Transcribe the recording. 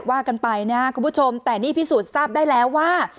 ว่ากันไปนะครับคุณผู้ชมแต่นี่พิสูจน์ทราบได้แล้วว่า